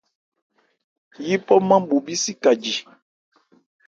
Yípɔ-nman bhu bhísi ka ji.